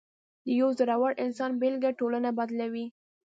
د یو زړور انسان بېلګه ټولنه بدلوي.